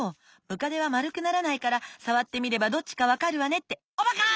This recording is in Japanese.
ムカデはまるくならないからさわってみればどっちかわかるわねっておばか！